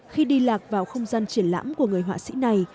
khi đi lạc vào không gian triển lãm của người họa sĩ này